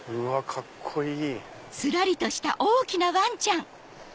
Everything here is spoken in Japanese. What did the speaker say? カッコいい！